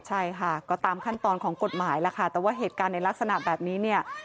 ใช่ค่ะก็ตามขั้นตอนของกฎหมายแล้วค่ะแต่ว่าเหตุการณ์ในลักษณะแบบนี้เนี่ย